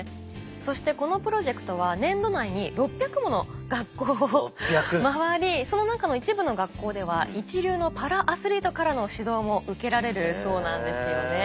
そしてこのプロジェクトは年度内に６００もの学校を回りその中の一部の学校では一流のパラアスリートからの指導も受けられるそうなんですよね。